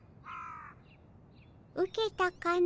ウケたかの？